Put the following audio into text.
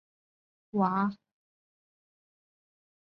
拉韦尔努瓦。